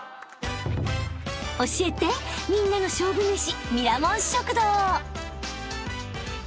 ［教えてみんなの勝負めし］